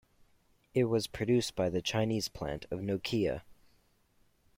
It was produced by the Chinese plant of Nokia.